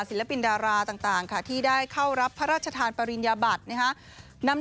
ศิลปินดาราต่างค่ะที่ได้เข้ารับพระราชทานปริญญาบัตินะฮะ